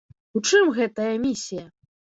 У чым гэтая місія?